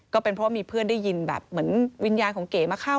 ก็เป็นเพราะว่ามีเพื่อนได้ยินแบบเหมือนวิญญาณของเก๋มาเข้า